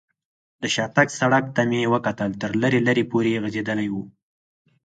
د شاتګ سړک ته مې وکتل، تر لرې لرې پورې غځېدلی و.